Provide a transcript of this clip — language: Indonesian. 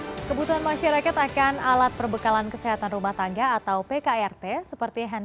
hai kebutuhan masyarakat akan alat perbekalan kesehatan rumah tangga atau pkrt seperti hand